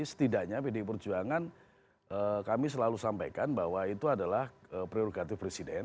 setidaknya pdi perjuangan kami selalu sampaikan bahwa itu adalah prerogatif presiden